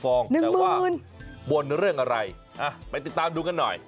ฟองแต่ว่าบนเรื่องอะไรไปติดตามดูกันหน่อย